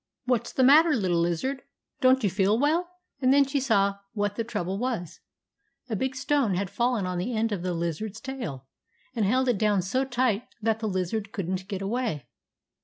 " What 's the matter, little lizard ? Don't you feel well ?" And then she saw what the trouble was A big stone had fallen on the end of the lizard's tail, and held it down so tight that the lizard could n't get away.